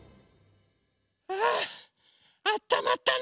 ああったまったね。